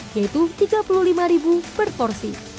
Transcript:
yaitu rp tiga puluh lima per porsi